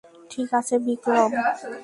ঠিক আছে, বিক্রম।